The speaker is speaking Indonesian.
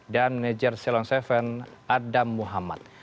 dan manajer ceylon tujuh adam muhammad